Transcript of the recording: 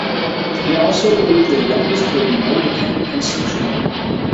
He also believed the youngest would be more dependent and sociable.